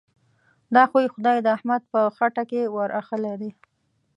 دا خوی؛ خدای د احمد په خټه کې ور اخښلی دی.